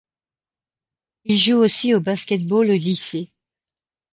Il joue aussi au basket-ball au lycée.